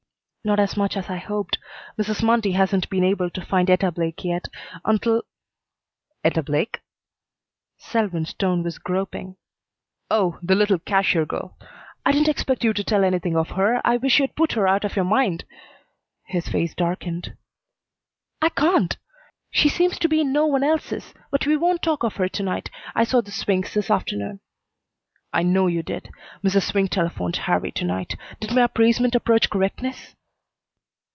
"Not as much as I hoped. Mrs. Mundy hasn't been able to find Etta Blake yet. Until " "Etta Blake?" Selwyn's tone was groping. "Oh, the little cashier girl. I didn't expect you to tell anything of her. I wish you'd put her out of your mind." His face darkened. "I can't. She seems to be in no one else's. But we won't talk of her to night. I saw the Swinks this afternoon." "I know you did. Mrs. Swink telephoned Harrie to night. Did my appraisement approach correctness?"